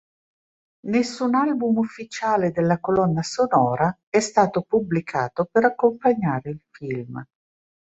Nessun album ufficiale della colonna sonora è stato pubblicato per accompagnare il film.